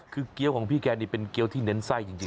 คือเกี้ยวของพี่แกนี่เป็นเกี้ยวที่เน้นไส้จริง